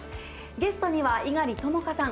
ゲストには猪狩ともかさん。